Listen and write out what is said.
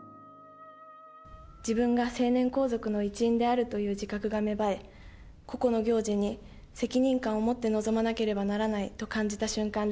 自分が成年皇族の一員であるという自覚が芽生え、個々の行事に責任感を持って臨まなければならないと感じた瞬間で